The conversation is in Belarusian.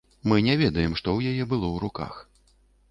Мы не ведаем, што ў яе было ў руках.